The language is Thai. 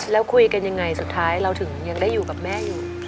แล้วคุยกันยังไงสุดท้ายเราถึงยังได้อยู่กับแม่อยู่